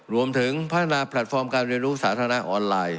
รวมถึงพัฒนาแพลตฟอร์มการเรียนรู้สาธารณะออนไลน์